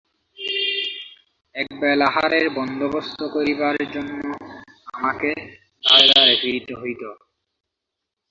একবেলা আহারের বন্দোবস্ত করিবার জন্য আমাকে দ্বারে দ্বারে ফিরিতে হইত।